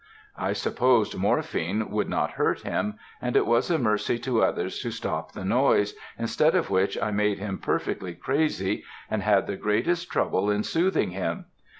I supposed morphine would not hurt him, and it was a mercy to others to stop the noise, instead of which I made him perfectly crazy, and had the greatest trouble in soothing him.